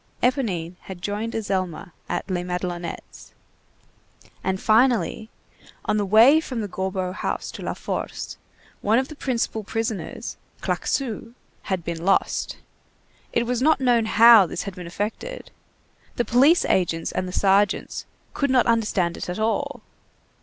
Éponine had joined Azelma at Les Madelonettes. And finally, on the way from the Gorbeau house to La Force, one of the principal prisoners, Claquesous, had been lost. It was not known how this had been effected, the police agents and the sergeants "could not understand it at all."